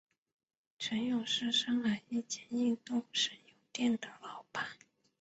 程勇是上海一间印度神油店的老板。